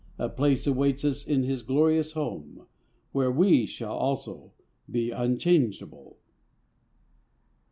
A place awaits us in His glorious Home, Where we shall also be unchangeable.